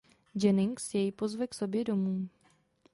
Jennings jej pozve k sobě domů.